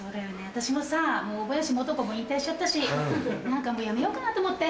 私もさ大林素子も引退しちゃったし何かもうやめようかなと思って。